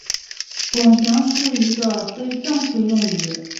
弓形是一个非正式用语。